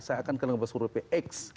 saya akan ke lembaga survei px